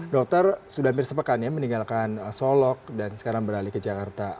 dokter sudah hampir sepekan ya meninggalkan solok dan sekarang beralih ke jakarta